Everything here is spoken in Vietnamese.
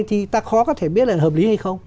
thì ta khó có thể biết là hợp lý hay không